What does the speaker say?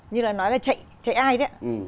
như là nói là chạy ai đấy